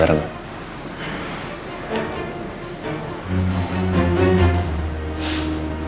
hati yang bisa diberikan